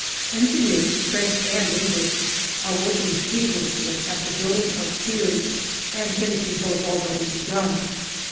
Engineers, French and English, are working feverishly at the building of piers and finishing those already begun.